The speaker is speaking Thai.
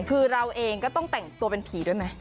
คือเราเองก็ต้องแต่งตัวเป็นผีด้วยไหม